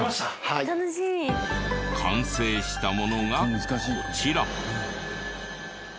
完成したものがこちら。